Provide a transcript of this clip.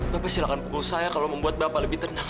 bapak silahkan pukul saya kalau membuat bapak lebih tenang